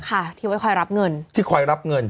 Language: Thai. ค่ะที่ไว้คอยรับเงินที่คอยรับเงิน